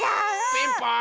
ピンポーン！